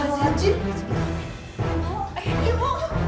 aduh kenapa nih